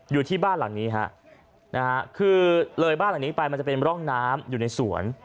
อยู่ที่บ้านหลังนี้ฮะนะฮะคือเลยบ้านหลังนี้ไปมันจะเป็นร่องน้ำอยู่ในสวน